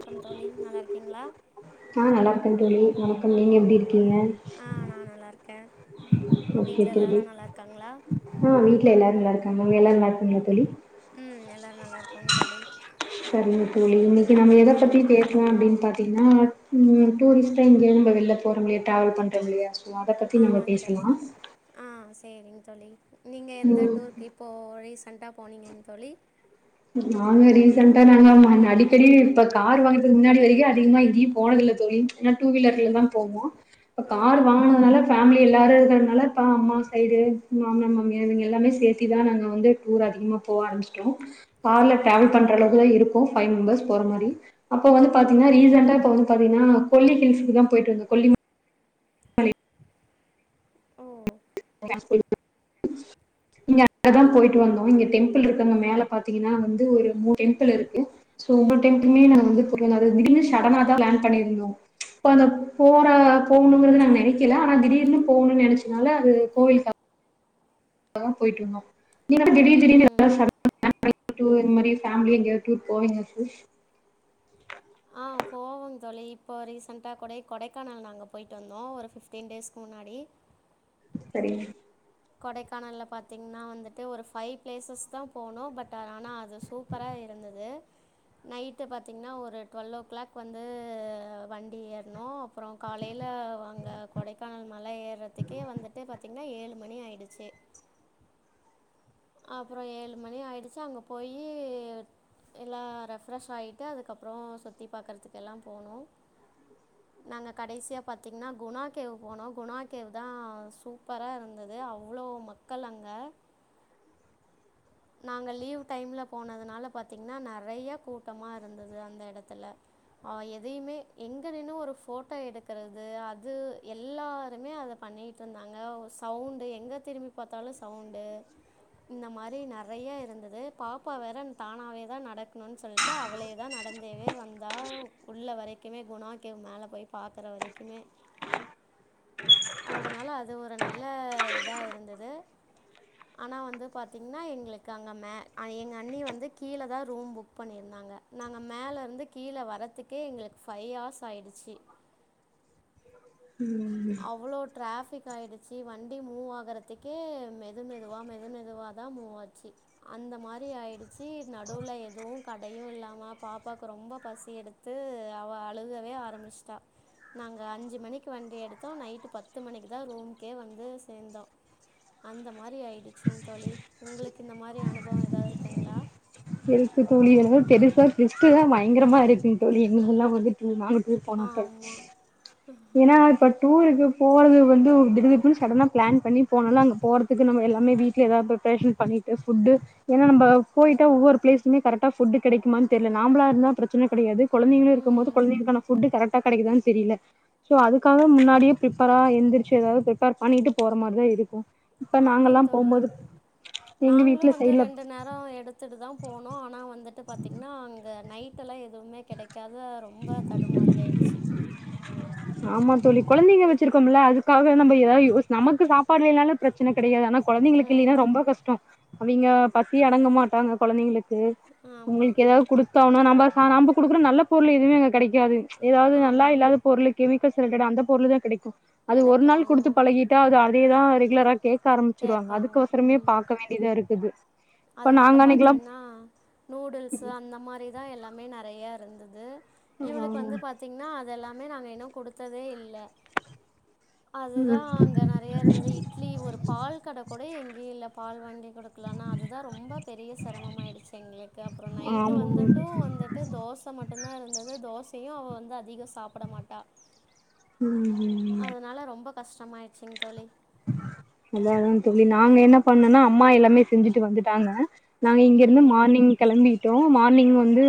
வணக்கம் தோழி நல்லா இருக்கீங்ளா ஆ நல்லாருக்கே தோழி வணக்கம் நீங்க எப்டி இருக்கீங்க ஆ நா நல்லாருக்கே ஓகே தோழி ஆ வீட்ல எல்லாரு நல்லாருக்காங்க அங்க எல்லாரு நல்லா இருக்காங்ளா தோழி ம் எல்லாரு நல்லா இருக்காங்க தோழி செரிங்க தோழி இன்னிக்கி நம்ம எத ஆ பத்தி பேசலா அப்டின் பாத்தீங்னா ம் டூரிஸ்ட்டா இங்கே நம்ப வெளில போறமில்லியா ட்ராவல் பண்றோமில்லயா ஆமாங் தோழி ஆ சேரிங் தோழி நீங்க எந்த ம் டூருக்கு இப்போ ரீசண்ட்டா போனீங்கங்தோழி நாங்க ரீசண்டா நாங்க அடிக்கடி இப்ப கார் வாங்குனதுக்கு முன்னாடி வரைக்கு அதிகமா எங்கேயு போனதில்ல தோழி ஏனா டூ ம் வீலர்லயேதா போவோ இப்ப கார் ம் வாங்குனதுனால ஃபேமிலி எல்லாரு இருக்குறதுனால அப்பா அம்மா சைடு மாமனார் மாமியார் இவுங்க எல்லாமே சேத்தி தா நாங்க வந்து டூர் அதிகமா போக ஆரம்பிச்சிட்டோ கார்ல சரி டிராவல் பண்றளவுக்கு தா இருக்கோ ஃபைவ் மெம்பர்ஸ் போற மாரி அப்ப வந்து பாத்தீங்கன்னா ம் ரீசெண்டா இப்ப வந்து பாத்தீங்கன்னா கொல்லி ஹில்ஸ்க்கு தா போயிட்டு வந்தோ கொல்லி மலை ஓ [inaudible] இங்க அங்கதா போய்ட்டு ஆமாம் வந்தோ இங்க டெம்பிள் இருக்காங்க மேல பாத்தீங்கன்னா வந்து ஒரு மூண் டெம்பிள் இருக்கு சோ ஒவ்வொரு டைம்க்குமே நாங்க வந்து ம் [unintelligible] திடீர் ஷடனா தா பிளான் பண்ணியிருந்தோ இப்ப அந்த போறா போகணுங்கறது நா சரி நெனைக்கல ஆனா திடீர்ன்னு போணுன் நெனைச்சனால அது கோவில்கா போய்ட்டிருந்தோ நீ என்ன திடீர் திடீர்னு எதனா ம் சடனா பிளான் [inaudible] டூர் மாரி ஃபேமிலி எங்கயாவது டூர் போவீங்களா [unintelligible] ஆ போவோங் தோழி இப்போ ரீசெண்ட்டா கொடை கொடைக்கானல் நாங்க போயிட்டு வந்தோ ஒரு ஃபிப்டீன் டேஸ்க்கு முன்னாடி செரி கொடைக்கானல்ல பாத்தீங்ன்னா வந்துட்டு ஒரு ஃபைவ் பிளேசஸ் தா போணோ பட் ஆனா அது சூப்பரா இருந்தது நைட்டு பாத்தீங்ன்னா ஒரு டுவெல் ஓ க்ளாக் வந்து வண்டி ஏற்னோ அப்றோ காலைல வாங்க கொடைக்கானல மல ஏறதுக்கே வந்துட்டு பாத்தீங்கன்னா ஏழு மணி ஆயிடுச்சு அப்றோ ஏழு மணி ஆயிடுச்சு அங்க போயி எல்லா ரெஃப்ரெஷ் ஆயிட்டு அதுக்கப்றோ சுத்தி பாக்குறதுக்கு எல்லா போனோ நாங்க கடைசியா பாத்தீங்ன்னா குணா கேவ் போனோ குணா கேவ் தா சூப்பரா இருந்தது அவ்ளோ மக் கள் அங்க நாங்க லீவ் டைம்ல போனதுனால பாத்தீங்ன்னா நெறையா கூட்டமா இருந்தது அந்த எடத்துல ஆ எதையுமே எங்க நின்னு ஒரு ஃபோட்டோ எடுக்கறது அது எல்லாருமே அத பண்ணீட்டிருந்தாங்க ஓ சவுண்டு எங்க திரும்பி பாத்தாலு சவுண்டு இந்த மாரி நெ றையா இருந்து து பாப்பா வேற தானாவே தா நடக்ணுன் சொல்ட்டு அவ்ளே தா நடந்தேவே வந்தாவ் உள்ள வரைக்கிமே குணா கேவ் மேல போய் பாக்குற வரைக்கிமே அதனால அது ஒரென் நல்ல இதா இருந்தது ஆனா வந்து பாத்தீங்ன்னா எங்களுக் காங்க மே அது எங்க அண்ணி வந்து கீழே தா ரூம் புக் பண்ணியிருந்தாங்க நாங்க மேல இருந்து கீழ வரதுக்கே எங்களுக்கு ஃபைவ் ஹார்ஸ் ஆயிடுச்சி ம் அவ்ளோ டிராஃபிக் ஆயிடுச்சி வண்டி மூவாகறதுக்கே மெது மெதுவா மெது மெதுவா தா மூவாச்சி அந்த மாரி ஆயிடுச்சி நடுவுல எதுவு கடயு இல்லாம பாப்பாக்கு ரொம்ப பசி எடுத் து அவ அழுகவே ஆரம்பிச்ட்டா நாங்க அஞ்சி மணிக்கு வண்டி எடுத் தோ நைட்டு பத்து மணிக்கு தா ரூம்கே வந்து சேந்தோ அந்த மாரி ஆயிடிச்சிங் தோழி உங்களுக்கு இந்த மாரி அனுபவ ஏதாவது இருக்குங்ளா இருக்கு தோழி என்னவோ பெருசா டுவிஸ்டெல்லா பயங்கரமா இருக்குங் தோழி இங்கெல்லா வந்துட்டு நாங்களு டூர் போனப்ப ஆமாம் ஏன்னா இப்ப டூருக்கு போறது வந்து ஒரு திடுதிப்புன்னு சடனா பிளான் பண்ணி போனாலு அங்க போறதுக்கு நம்ம எல்லாமே வீட்ல எதாவது ப்ரப்ரேஷன் பண்ணீட்டு ஃபுட்டு ஏன்னா நம்ப போயிட்டா ஒவ்வொரு பிலேஸ்ஸுமே கரெட்டா ஃபுட்டு கிடைக்குமானு தெர்ல நாம்பளா இருந்தா பிரச்சனை கிடையாது கொழந்தைங்களு இருக்கு போது ம் கொழந்தைகளுக்கான ஃபுட்டு கரெக்டா கெடைக்குதான்னு தெரியல சோ அதுக்காக முன்னாடியே ப்ரிப்பரா எந்திரிச்சு ஏதாவது ப்ரிப்பேர் பண்ணீட்டு போற மாரிதா இருக்கு ஆமாங் தோழி எங்க நாங்களு வீட்ல வந்து சைட்ல ரெண்டு நேரோ எடுத் த்துட்டு தா போனோ ஆனா வந்துட்டு பாத்தீங்ன்னா அங்க நைட் ஃபுட் எல்லா எதுவுமே கெடைக்காத ரொம்ப தடுமாறியாயிடுச்சி ஆமாந் தோழி கொழந்தைங்க வச்சிருக்கோம்மில்ல அதுக்காக நம்ம ஏதாவது யோஸ் நமக்கு சாப்பாடுலில்லாலு பிரச்சன கெடையாது ஆனா கொழந்தைங்களுக்கு இல்லைன்னா ம் ரொம்ப கஷ்டோ அவிங்க பசி அடங்க மாட்டாங்க கொழந்தைங்களுக் ஆமாம் உங்களுக்கு ஏதாவது கொடுத்தானு நம்ம கொடுக்குற நல்ல பொருள் எதுமே அங்க கிடைாது ஏதாவது நல்லா ஆமாம் இல்லாத பொருள் கெமிக்கல்ஸ் ரிலட்டட் அந்த பொருள் தா கிடைக்கு அது ஒரு நாள் கிடைக்கும் கொடுத்து பழகிட்டா அது அதேதா ரெகுலரரா கேட்க ஆரம்பிச்சிருவாங்க கேட்பாங்க அதுக்கு அவசரமே பாக்கவே வேண்ட இதா இருக்குது இப்ப அதுவு அங்கே நாங்க அன்னைக்கெல்லா பார்த்தீங்கன்னா நூடுல்ஸு அந்த மாதிரி தான் எல்லாமே நிறையா இருந்தது இவளுக்கு வந்து பாத்தீங்கன்னா அதெல்லாமே நாங்க இன்னு கொடுத்ததே இல்ல அதுதா அங்க நேறைய இருந்தது இட்லி ஒரு பால் கடை கூட எங்கயு இல்ல பால் வாங்கி கொடுக்கலாம்னா அது ான் ரொம்ப பெரிய சிரமம ஆயிடுச்சு எங்களுக்கு அப்புறோ நைட்டு ஆமா வந்துட்டு வந்துட்டு தோசை மட்டும்தா இருந்தது தோசையு அவ வந்து அதிகமா சாப்ட மாட்டா ம் அதுனால ரொம்ப கஷ்டமாயடுச்சுங்க தோழி அதானலதா தோழி நாங்க என்ன பண்ணோனா அம்மா எல்லாமே செஞ்சுட்டு வந்துட்டாங்க நா இங்க இருந்து ம். மார்னிங் கிளம்பி ம் மார்னிங் வந்து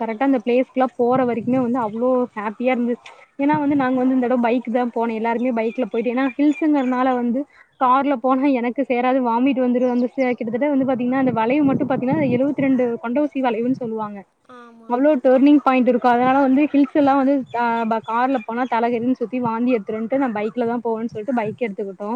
கரெக்டாக அ பிளேஸ்க்கெலா போற வரைக்குமே வந்து அவ்ளோ ஹாப்பியாக இருந்துச்சு ஏன்னா வந்து நாங்க வந்து இந்த தடவ பைக்கு தா போனோ எல்லாருமே பைக்ல போயிட்டு ஏன்னா ஹில்ஸ்ஸுங்கிறனால வந்து கார்ல போனா எனக்கு சேராது வாமிட் வந்துரு வந்து சேர கிட்டதட்ட வந்து பாத்தீங்ன்னா அந்த வளைவு மட்டு பாத்தீன்னா எழுவத் திரெண்டு கொண்ட ஊசி வளைவுன்னு சொல்லுவாங்க ஆமா. அவ்ளோ டர்னிங் பாயிண்ட் இருக்கு அதனால வந்து ஹில்ஸ் எல்லா வந்து கா ப கார்ல போனா தலகிற்றுனு சுத்தி வாந்தியெத் துருன்ட்டு நா பைக்ல தா போவேன் சொல்ட்டு பைக் எடுத்துக்கிட்டோ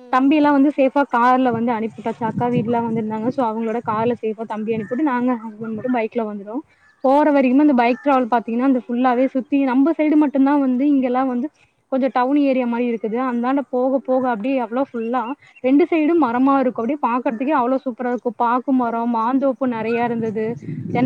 ம். தம்பி எல்லா வந்து சேஃபா கார்ல வந்து அனுப்பிட்டாச்சாக்கா வீட்டுலலா வந்துருந்தாங்க சோ அவங்களோட கார்ல தம்பி அனுப்பிட்டு நாங்க ஹஸ்பண்ட் மும் பைக்ல வந்தோ போற சரி. வரைக்கும் அந்த பைக் ட்ராவல் பாத்தீங்கன்னா அந்த ஃபுல்லாவே சுத்தி நம்ம சைடு மட்டும்தா வந்து இங்கெல்லா வந்து கொஞ்சோ டவுன் ஏரியா மாரி இருக்குது அந்தண்ட போக போக அப்டியே அவ்வளோ ஃபுல்லா ரெண்டு சைடு மரமா இருக்கு அப்படியே பாக்குறதுக்கே அவ்வளோ சூப்பரா இருக்கு பாக்குமரோ ம். மாந்தோப்பு நறையா இருந்தது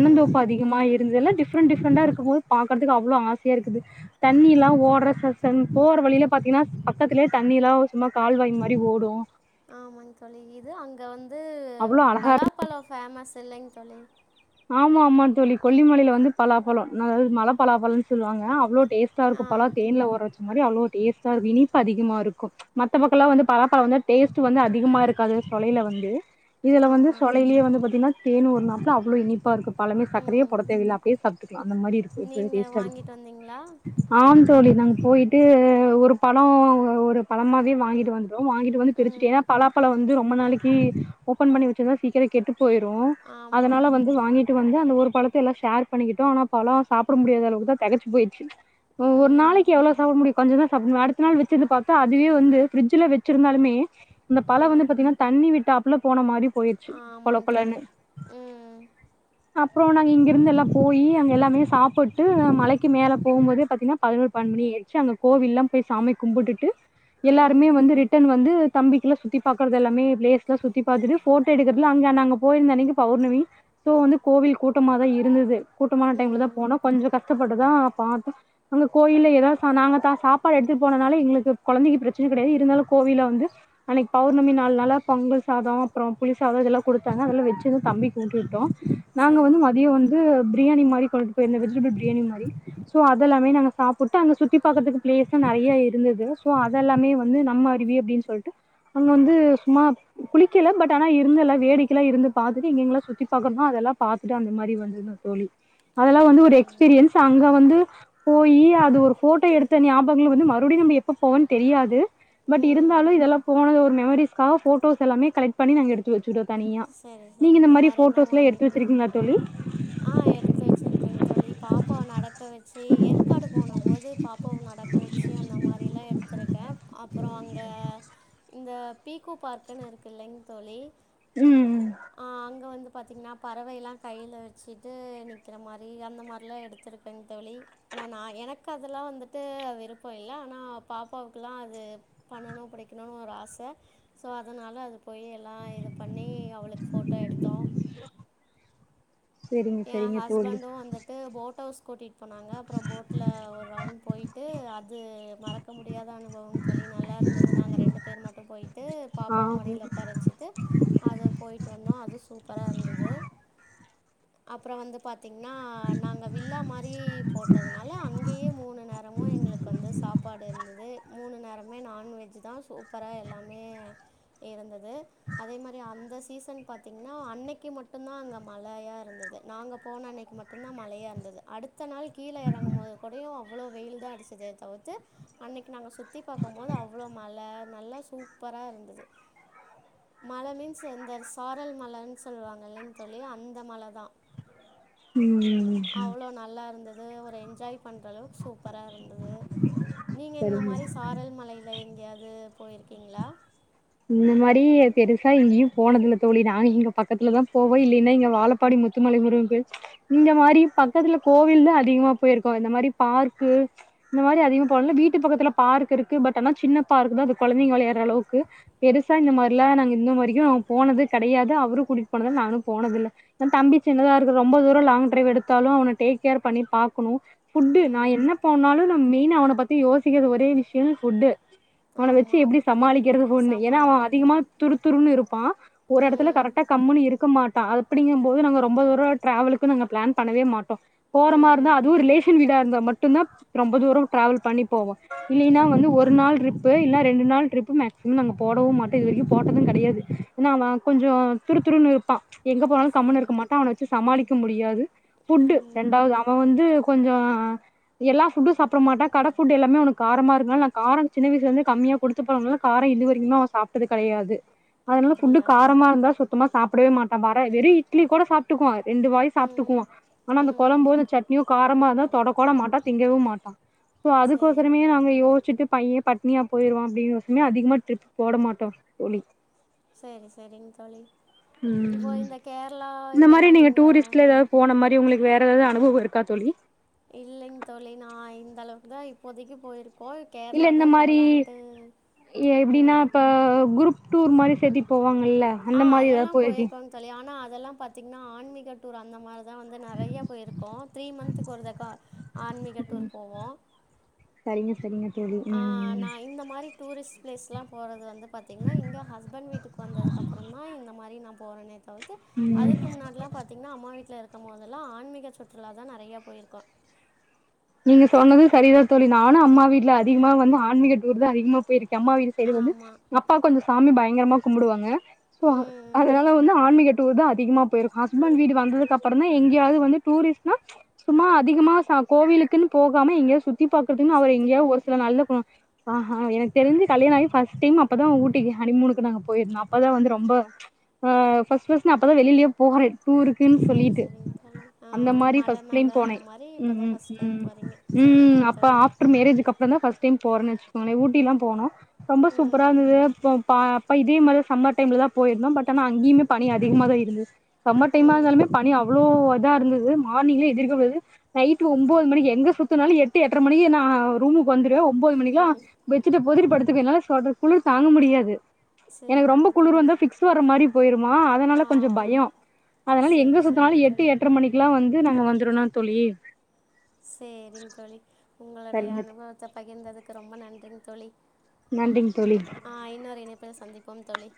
ம். அதிகமா இருந்து எல்லா டி ஃப்ரண்ட் டிஃப்ரண்டா இருக்கும்போது பாக்கற்துக்கு அவ்ளோ ஆசயாருக்குது தண்ணில்லா ஓட்ற [unintelligible] போற வழில பாத்தீங்கன்னா பக்கத்திலயே தண்ணில்லா சும்மா கால்வாய் மாரி ஓடு ஆமாங் தோழி இது அங்க வந்து அவ்ளோ அழகா இரு பலாப்பழம் ஃபேமஸ் இல்லைங் தோழி ஆமா ஆமா தோழி கொல்லிமலைல வந்து பலாப்பழோ மல பலாப்பழோன் சொல்லுவாங்க அவ்ளோ டேஸ்ட்டாருக்கு ஆ. பலா தேன்ல ஊறவச்ச மாரி அவ்ளோ டேஸ்டாருக்கு இனிப்பு அதிகமாருக்கு மத்த பக்கோல்லா வந்து பலாப்பழோ வந்து டேஸ்ட் வந்து அதிகமா இருக்காது சொலைல வந்து இதுல வந்து ஆமா. சொலையிலே வந்து பாத்தீங்கன்னா தேன் ஊற்னாப்ல அவ்ளோ இனிப்பாருக்கு பழமே சக்கரயே ம். போட தேவயில்ல அப்டியே சாப்ட்டுக்கலா அந்த மாரிஇருக்குறதுலயே நீங்க டேஸ்டாரு வாங்கிட்டு வந்தீங்களா? ஆம் தோழி நாங்க போயிட்டு ஒரு பழோ ஒரு பழமாவே வாங்கிட்டு வன்றோ வாங்கிட்டு வந்து பிரிச்சுட்டு ம். ஏனா பலாப்பழோ வந்து ரொம்ப நாளைக்கி ஓபன் பண்ணி வச்சிருந்தா சீக்கிரோ கெட்டு போய்ரு ஆமாம் அதனால வந் து வாங்கிட்டு வந்து அந்த ஒரு பழத்த எல்லா ஷேர் பண்ணிக்கிட்டோ ஆனா பலா சாப்ட முடியாத அளவுக்குதா தெகச்சு போய்ருச்சு ஒர் ம் நாளைக்கி எவ்ளோ சாப்ட முடியு கொஞ்ச தா சாப்ட முடியு அடுத்த நாள் வச்சிருந்து பாத்தா அதுவே வந்து ஃபிரிட்ஜ்ஜுல வச்சிருந்தாலுமே இந்த ஆ பழோ வந்து பாத்தீங்கன்னா தண்ணி விட்டாப்ல போன மாரி போய்ருச்சு கொழ ஆமாங்க தோழி கொழன்னு ம் அப்றோ நாங்க இங்கெருந்து எல்லா போயி அங்க எல்லாமே சாப்புட்டு மலைக்கு மேல போம்போதே பாத்தீங்கன்னா பதினொரு பன்னடுமணி ஆய்டுச்சு அங்க கோவில்லா போய் சாமி கும்புட்டுட்டு ம் எல்லாருமே வந்து ரிட்டர்ன் வந்து தம்பிக்கெல்லா சுத்தி பாக்குறது எல்லாமே ப்ளேஸ்லா சுத்தி பாத்துட்டு போட்டோ எடுக்குறதுல அங்க நாங்க போயிருந்த அன்னக்கி பௌர்ணமி ஸோ வந்து கோவில் கூட்டமாதா இருந்தது கூட்டமான டைம்ல தா ம் போனோ கொஞ்ச கஷ்டப்பட்டுதா பாத்தோ அங்க கோயில்ல எதாது சா நாங்க தா சாப்பாடு எடுத்துட்டு போனனால எங்களுக்கு கொழந்தைக்கு பிரச்சன கெடயாது இருந்தாலு கோவில வந்து அன்னக்கி பௌர்ணமி நாள்னால பொங்கல் சாதோ அப்றோ புளி சாதோ இதெல்லா குடுத்தாங்க அதல்லா வச்சு வந்து தம்பிக்கு ஊட்டி வி ட்டோ நாங்க சரி வந்து மதியோ வந்து பிரியாணி மாரி கொண்டுட்டு போயிருந்தோ வெஜிடபிள் பிரியாணி மாரி ஸோ அதெல்லாமே நாங்க சாப்புட்டு அங்க சுத்தி பாக்கறதுக்கு ப்ளேஸ்லா நறைய இருந்தது ஸோ அதெல்லாமே வந்து நம்ம அறிவிய அப்டின் சொல்லிட்டு அங்க வந்து சும்மா குளிக்கல பட் ஆனா இருந்தெல்லா வேடிக்கெல்லா இருந்து பாத்துட்டு இங்கெங்கல்லா சுத்தி பாக்கணுமோ அதெல்லா பாத்துட்டு அந்த மாரி வந்துருந்தோ தோழி அதெல்லா வந்து ஒரு சரிங்க எக்ஸ்பீரியன்ஸ் அங்க வந்து போயி அது ஒரு ஃபோட்டோ எடுத்த ஞாபகங்கள் வந்து மறுப்டியு நம்ம எப்ப போவோன் தெரியாது பட் ம் இருந்தாலு இதெல்லா போன ஒரு மெமரிஸ்காக ஃபோட்டோஸ் எல்லாமே கலெக்ட் பண்ணிநாங்க எடுத்து வச்சுட்டோ தனியா சரி நீங்க இந்த சரிங்க மாரி வேறு என்ன ஃபோட்டோஸ்லா எடுத்து வாங்கிட்டு வந்து வச்சிருக்கீங்ளா தோழி ஆ எடுத்து வச்சிருக்கேங் தோழி பாப்பாவ நட க்க வச்சு ஏற்காடு போன போது பாப்பாவ நடக்க வச்சு அந்த மாரிலா எடுத்திருக்கே அ ப்றோ அங்க இந்த பீக்கு பார்க்குனு இருக்குல்லைங் தோழி ம் ம் ஆ அங்க வந்து பாத்தீங்கன்னா பறவயெல்லா கைல வச்சிட்டு நிக்கிற மாரி அந்த மார்லா எடு த்திருக்கேங் தோழி ஆனா நா எனக்கு அதெல்லா வந்துட்டு விருப்போ இல்ல ஆனா பாப்பாவுக்கல்லா அது பண்ணணு புடிக்கணுன் ஒரு ஆச ஸோ அதனால அது போய் எல்லா இது பண்ணி அவ்ள ஃபோட்டோ எடுத்தோ செரிங்க எ செரிங்க தோழி ஹஸ்பண்டு அந்த ட்டு போட்டவுஸ் கூட்டிட்டு போனாங்க அப்றோ போட்ல ஒரு ரவுண்ட் போய்ட்டு அ து மறக்க முடியாத அனுபவம் தோழி நல்லாருந்தது நாங்க ரெண்டு பேர் மட்டு போய்ட்டு ஆ பாப்பாவு மடில ஒக்கார வச்சு ட்டு அத போய்ட்டு வந்தோ அது சூப்பராருந்தது அப்றோ வந்து பாத்தீங்கன்னா நாங்க வில்லா மாரி போட்டதுனால அங்கயே மூணு நேரமு எங்களுக்கு வந்து சாப்பா டு இருந்தது மூணு நேரமே நான்வெஜ் தா சூப்பரா எல்லாமே இருந்துது அதே மாரி அந்த சீஸ் ன் பாத்தீங்ன்னா அன்னைக்கு மட்டுந்தா அங்க மழையா இருந்துது நாங்க போன அன்னைக்கு மட்டுந்தா மழையா இருந்துது அடுத் த்த நாள் கீழ எறங்கும் போது கூடயு அவ்வளோ வெயில் தா அடிச்சுதே தவுர்த்து அன்னைக்கு நாங்க சுத்தி பாக்கும் போது அவ்ளோ மழ நல்லா சூப்பரா இருந்துது மல மீன்ஸ் சுந்தர்ஸ் சாரல் மழன் சொல்லுவாங்கல்லைங் தோழிஅந்த மழ தா ம் அவ் ளோ நல்லார்ந்துது ஒரு என்ஜாய் பண்றளவுக்கு சூப்பரா இருந்துது நீங்க இந்த சரிங்க மாரி சார் [unintelligible] மழைல எங்கியாது போயிருக்கீங்களா இந்த மாரி பெருசா எங்கியு போனதில்ல தோழி நாங்க இங்க பக்கத்துல தா போவோ இல்லைன்னா இங்க வாழ பாடி முத்துமலை முருகன் கோயில் இந்த மாரி பக்கத்துல கோவில் தா அதிகமா போயிருக்கோ இந்த மாரி பார்க்கு இந்த மாரி அதிகமா போனதில்ல வீட்டு பக்கத்துல பார்க் இருக்கு பட் ஆனா சின்ன பார்க் தா அது கொழந்திங்க வளையாடுற அளவுக்கு பெருசா இந்த மாரிலா நாங்க இந்த மாரியு போனது கடையாது அவரும் கூட்டிட் போனதில்ல நானு போனதில்ல தம்பி சின்னதா இருக்கு ரொம்ப தூரோ லாங் டிரைவ் எடுத்தாலு அவன டேக் கேர் பண்ணி பாக்கணு ஃபுட்டு நா ம் என்ன போனாலு நா மெயினா அவன பத்தி யோசிக்கிறது ஒரே விஷ்யோ ஃபுட்டு அவன வெச்சு ஆமாம் எப்டி சமாளிக்கிறது ஒண்ணு ஏன்னா அவன் சமாளிக்கிறது அதிகமா துருத்துருன்னு இருப்பான் ஒரெடத்துல ம் கரெக்டா கம்முணு இருக்க மாட்டா அதப்புடிங்கும் போது நாங்க ரொம்ப தூரோ டிராவலுக்கு நாங்க பிளான் பண்ணவே மாட் போற ம் மாருந்தா அதுவு ரிலேஷன் வீடா இருந்தா மட்டுந்தா ரொம்ப தூரோ டிராவல் பண்ணி போவோ இல்லைன்னா ம் வந்து ஒரு நாள் ட்ரிப்பு இல்ல ரெண்டு நாள் ட்ரிப்பு மேக்சிமம் நாங்க போடவு மாட்டோ இது வரைக்கு போட்டதுங் கடையாது ஏன்னா அவன் கொஞ்சோ துரு துருனு இருப்பான் எங்க போனாலு கம்முனு சரிங்க இருக்கமாட்டான் அவனு வவச்சு சமாளிக்க முடியாது ஃபுட்டு ம் ரெண்டாவது அவன் வந்து கொஞ்சோ எல்லா ஃபுட்டு சாப்ட மாட்டா கட ஃபுட்டு எல்லாமே அவனுக் காரமா இருக்கனால நா காரோ சின்ன வயசுலிருந்தே கம்மிய குடுத்து போனனால கார இது வ இன்னு அவன் சாப்ட்டது கடையாது அதனால ஃபுட்டு அப்படியா காரமா இருந்தா சொ த்தமா சாப்டவே மாட்டா வர வெரு இட்லி கூட சாப்ட்டுக்குவா ரெண்டுவாயி ம் சாப்ட்டுக்குவா ஆனா அந்த ம் கொழம்போ இல்ல சட்னியோ காரமா இருந்தா தொடக்கூட மாட்டா திங்கவு மாட்டா சோ அதுக்கோசரமே சரிங்க நாங்க யோசிச்சுட்டு பையன் பட்னியா போயிருவான் அப்டின் [inaudible] அதிகமா ட்ரிப் போட மாட்டோ தோழி சேரி சேரிங் தோழி இப்போ இந்த கேரளா இந்த மாரி இதெல்லா நீங்க டூரிஸ்ட்ல ஏதாவது போன மாரி உங்களுக்கு வேரெதாவது அனுபவோ இருக்கா தோழி இல்லைங் தோழி நா இந்தளவுக்கு தா இப்போதைக்கு போயிருக்கோ இல்ல கேரளா இந்த தா மாரி போலான்ட்டு எப்டின்னா இப்போ குரூப் டூர் மாதி சேத்தி போவாங்கல்ல ஆ அந்த மாரி அதல்லா ஏதாவது போயிருக்கீங் போயிருக்கோங் தோழி ஆனா அதல்லா பாத்தீங்ன்னா ஆன்மிக டூர் அந்த மாரி தா வந்து நறையா போயிருக்கோ த்ரீ மந்த்துக்கு ஒரு தக்கா ஆன்மிக டூர் போவோ சரிங்க சரிங்க தோழி ம் ம் நான் இந்த மாரி டூரிஸ்ட் பிளேஸ்லா போறது வந்து பாத்தீங்கன்னா இங்க ஹஸ்பண்ட் வீட்டுக்கு வந்ததுக்கப்றந்தா இந்த மாரி நா போறனே தவிர்த்து அதுக்கு முன்னாட்லா பாத்தீங்ன்னா அம்மா வீட்ல இருக்கம் மோதல்லா ஆன்மிக சுற்றுலாதா நறையா போயிருக்கோ நீங்க சொன்னது சரிதா தோழி நானு அம்மா வீட்ல அதிகமா வந்து ஆன்மிக டூருதா அதிகமா போயிருக்க அம்மா வீ சைடு வந்து ஆமாம் எங்கப்பா கொஞ்ச சாமி பயங்கரமா கும்புடுவாங்க சோ ம் அதனால வந்து ஆன்மிக டூருதா அதிகமா போயிருக் ஹஸ்பண்ட் வீடு வந்ததுக்கப்பறந்தா எங்கயாவது வந்து டூரிஸ்ட்னா சும்மா அதிகமா ச கோவிலுக்குன் போகாம எங்கியா சுத்தி பாக்குறதுன்னு அவர் சுற்றி எங்கியா ஒரு பார்க்க சில நாள்ல [unintelligible] ஆஹா எனக்கு தெரிஞ்சு கல்யாணாயி ஃபர்ஸ்ட் டைம் அப்பதா ஊட்டிக்கு ஹனிமூனுக்கு நாங்க போயிருந்தோ அப்பதா வந்து ரொம்ப ம் ஃபர்ஸ்ட் ஃபர்ஸ்ட் நா அப்பதா வெளிலியே போற செரி செரிங்க தோழி அந்த மாரி மல ஃபர்ஸ்ட் டைம் மேல அந்த போனே மாரி ம் இப்பதா ம் ஃபஸ்ட் டைம் போறீங்க சேரிங் தோழி ட்டர் மேரேஜ்க் அப்றந்தா ஃபஸ்ட் டைம் போறேனு வச்சுக்கோங்ளே ஊட்டிலா போனோ ரொம்ப சூப்பரா ம் இருந்துது ப அப்ப இதே மாரி தா சம்மர் டைம்ல தா போயிருந்தோ பட் ஆனா அங்கிமே பனி அதிகமா தா இருந்து சம்மர் டைமா ம் இருந்தாலுமே பனி அவ்ளோ அதா இருந்தது மார்னிங்ல எந்திரிக்கு போது நைட்டு ஒம்போது மணிக்கு எங்க சுத்துனால எட்டு எட்டரை மணிக்கு நா ரூமுக்கு வந்துருவே ஒம்போது மணிக்குலா பெச்சிட்ட போத்திட்டு படுத்துக்குவே என்னால சொட் குளுர் தாங்க முடியாது எனக்கு ரொம்ப சரிங்க குளிர் தோழி வந்தா பிக்ஸ் வர்ற மாரி போயிருமா அதனால ஆ கொஞ்சோ ஆ பயோ அதனால எங்க சரி சரிங்க சுத்தனாலு எட்டு தோழி எட்டரை மணிக்குலா வந்து நாங்க வந்துருணு தோழி சேரிங் தோழி உங்களுடைய சரிங்க அனுபவத்த பகிர்ந்ததுக்கு ரொம்ப நன்றிங் தோழி நன்றிங் தோழி ஆ இன்னொரு இணைப்பில சந்திப்போம் தோழி